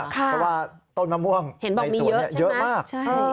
แต่ว่าต้นมะม่วงเยอะมาก